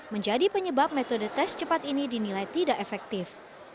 menjadi penyebab metode tes cepat ini dinilai tidak efektif